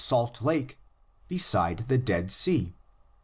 salt lake, beside the Dead Sea.